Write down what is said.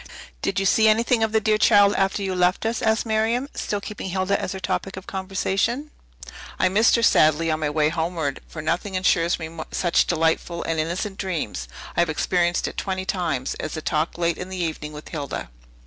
"Did you see anything of the dear child after you left us?" asked Miriam, still keeping Hilda as her topic of conversation. "I missed her sadly on my way homeward; for nothing insures me such delightful and innocent dreams (I have experienced it twenty times) as a talk late in the evening with Hilda."